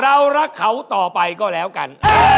เรารักเขาต่อไปก็แล้วกัน